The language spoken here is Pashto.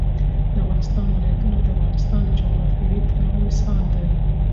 د افغانستان ولايتونه د افغانستان د جغرافیوي تنوع مثال دی.